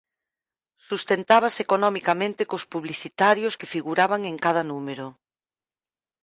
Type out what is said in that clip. Sustentábase economicamente cos publicitarios que figuraban en cada número.